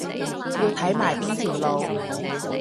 要睇埋邊條路